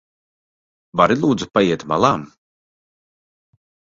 Vari lūdzu paiet malā?